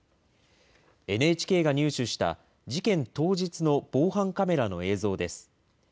ＮＨＫが入手した事件当日の防犯カメラの映像です。